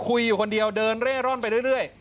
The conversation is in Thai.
อยู่คนเดียวเดินเร่ร่อนไปเรื่อย